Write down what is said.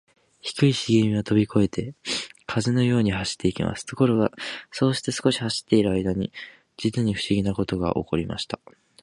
低いしげみはとびこえて、風のように走っていきます。ところが、そうして少し走っているあいだに、じつにふしぎなことがおこりました。